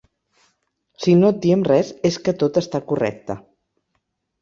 Si no et diem res és que tot està correcte.